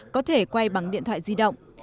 có thể quay bằng điện thoại di động